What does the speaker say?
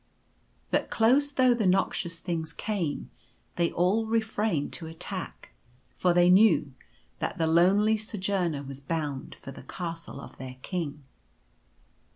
But close though the noxious things came, they all refrained to attack; for they knew that the lonely So journer was bound for the Castle of their King.